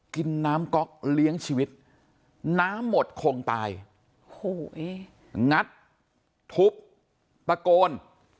กินน้ำก๊อกเลี้ยงชีวิตน้ำหมดคงตายโอ้โหงัดทุบตะโกน